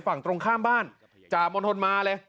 ฝั่งตรงข้ามบ้านจ่ามณฑลมาเลย